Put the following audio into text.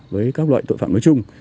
với các loại tội phạm nói chung